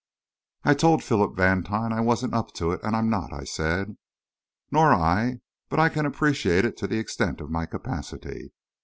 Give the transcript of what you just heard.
"I told Philip Vantine I wasn't up to it, and I'm not," I said. "Nor I, but I can appreciate it to the extent of my capacity.